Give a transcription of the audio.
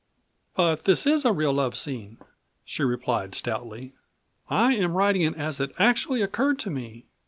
"But this is a real love scene," she replied stoutly; "I am writing it as it actually occurred to me.